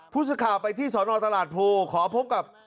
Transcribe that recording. พูดสิทธิ์ข่าวไปที่สอนอตลาดภูขอพบกับ